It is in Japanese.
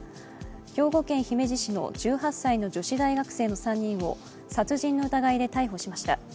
兵庫県姫路市の１８歳の女子大学生の３人を殺人の疑いで逮捕しました。